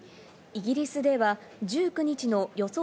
イギリスでは１９日の予想